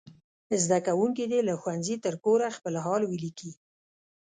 زده کوونکي دې له ښوونځي تر کوره خپل حال ولیکي.